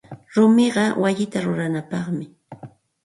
Rumiqa wayita ruranapaqmi.